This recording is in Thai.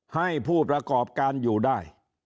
ให้ผู้ประกอบการอยู่ได้